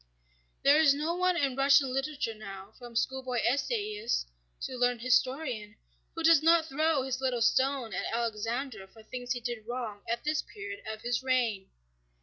There is no one in Russian literature now, from schoolboy essayist to learned historian, who does not throw his little stone at Alexander for things he did wrong at this period of his reign.